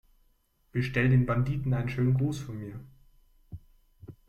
Bestell den Banditen einen schönen Gruß von mir!